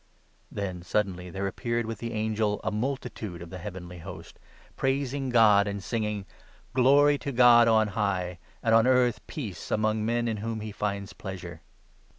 Then suddenly there appeared with the angel a multitude of 13 the heavenly Host, praising God, and singing —" Glory to God on high, 14 And on earth peace among men in whom he finds pleasure."